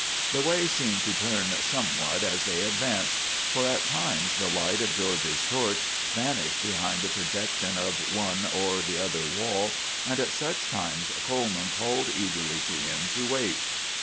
The way seemed to turn somewhat as they advanced; for at times the light of George's torch vanished behind the projection of one or the other wall, and at such times Coleman called eagerly to him to wait.